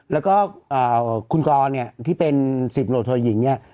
แล้วก็เอ่อคุณกรเนี้ยที่เป็นสิบโหลโทยหญิงเนี้ย